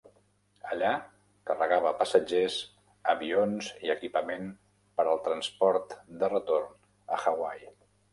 Allà, carregava passatgers, avions i equipament per al transport de retorn a Hawaii.